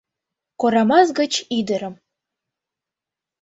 Корамас гыч ӱдырым